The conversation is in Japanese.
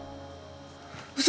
嘘！？